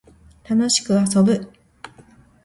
楽しく遊ぶ